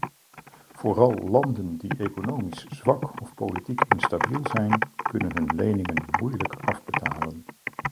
Vooral landen die economisch zwak of politiek instabiel zijn, kunnen hun leningen moeilijk afbetalen.